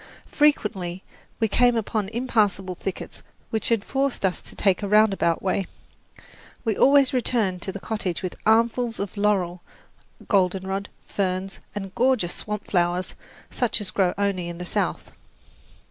Frequently we came upon impassable thickets which forced us to take a round about way. We always returned to the cottage with armfuls of laurel, goldenrod, ferns and gorgeous swamp flowers such as grow only in the South.